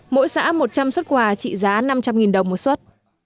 mỗi xã một trăm linh xuất quà trị giá năm trăm linh đồng một xuất